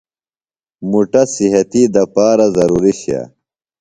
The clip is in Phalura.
مُٹہ صحتی دپارہ ضروری شئے۔